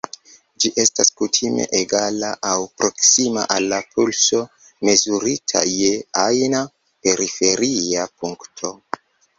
Ĝi estas kutime egala aŭ proksima al la pulso mezurita je ajna periferia punkto.